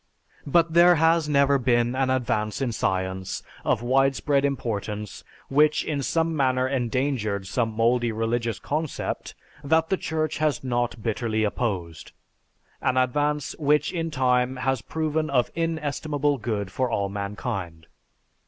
But there has never been an advance in science of widespread importance, which in some manner endangered some mouldy religious concept, that the Church has not bitterly opposed; an advance which in time has proven of inestimable good for all mankind.